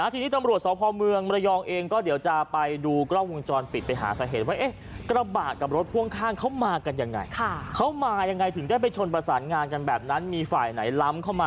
ทีนี้ตำรวจสพเมืองมรยองเองก็เดี๋ยวจะไปดูกล้องวงจรปิด